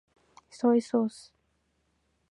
ソイソース